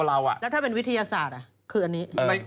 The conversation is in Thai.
แล้วถ้าเป็นวิทยาศาสตร์คืออันนี้